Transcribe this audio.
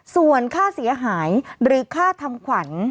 ส่วนค่าเสียหายหรือค่าทำขวัญ